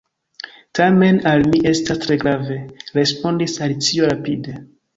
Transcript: "Tamen al mi estas tre grave," respondis Alicio rapide.